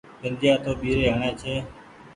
بنديآ تو ٻيري هڻي ڇي۔